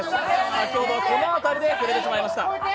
先ほどはこの辺りで触れてしまいました。